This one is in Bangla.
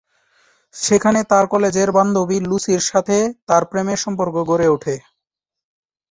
সেখানে তার কলেজের বান্ধবী লুসির সাথে তার প্রেমের সম্পর্ক গড়ে ওঠে।